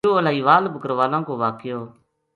یوہ الائی وال بکروالاں کو واقعو